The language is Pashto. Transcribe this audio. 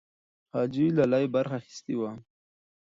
حاجي لالی برخه اخیستې وه.